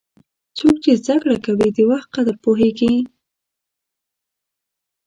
څوک چې زده کړه کوي، د وخت قدر پوهیږي.